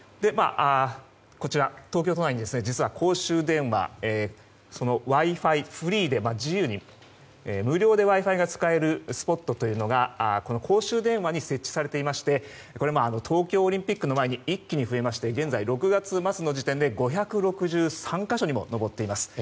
東京都内に実はＷｉ‐Ｆｉがフリーで無料で使えるスポットというのが公衆電話に設置されていまして東京オリンピックの前に一気に増えまして６月末時点で５６３か所にも上っています。